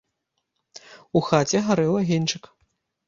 У хаце гарэў агеньчык.